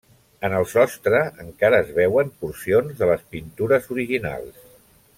En el sostre encara es veuen porcions de les pintures originals.